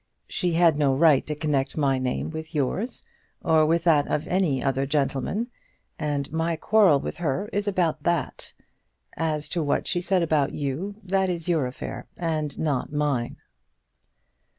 She had no right to connect my name with yours or with that of any other gentleman, and my quarrel with her is about that. As to what she said about you, that is your affair and not mine."